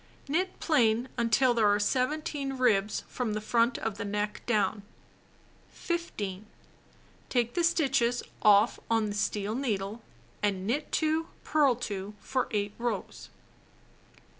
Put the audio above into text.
Knit plain until there are 17 ribs from the front of the neck down. 15. Take the stitches off on the steel needle and knit 2, purl 2, for 8 rows.